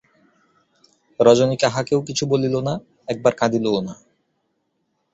রজনী কাহাকেও কিছু বলিল না, একবার কাঁদিলও না।